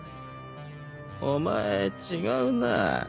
お前違うなぁ。